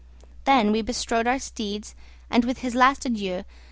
Then we bestrode our steeds and with his last adieu M.